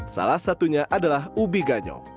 salah satunya adalah ubi ganyo